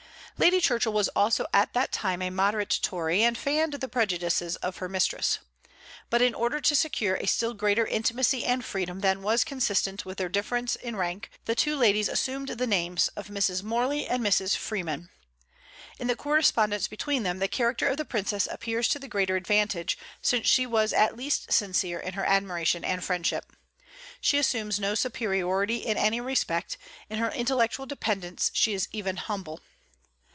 Lady Churchill was also at that time a moderate Tory, and fanned the prejudices of her mistress. But in order to secure a still greater intimacy and freedom than was consistent with their difference in rank, the two ladies assumed the names of Mrs. Morley and Mrs. Freeman. In the correspondence between them the character of the Princess appears to the greater advantage, since she was at least sincere in her admiration and friendship. She assumes no superiority in any respect; in her intellectual dependence she is even humble.